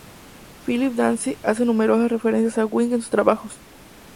Philip Yancey hace numerosas referencias a Wink en sus trabajos.